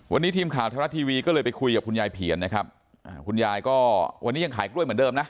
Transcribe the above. วันนี้ทีมข่าวไทยรัฐทีวีก็เลยไปคุยกับคุณยายเพียรนะครับอ่าคุณยายก็วันนี้ยังขายกล้วยเหมือนเดิมนะ